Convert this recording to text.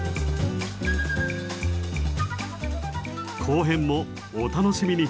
後編もお楽しみに。